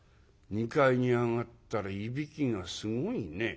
２階に上がったらいびきがすごいね。